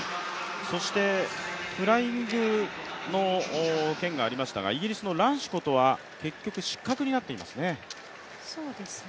そしてフライングの件がありましたがイギリスのランシコトは結局、失格になっていますね。